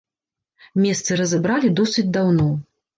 Месцы разабралі досыць даўно.